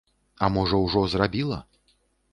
А можа, ужо зрабіла?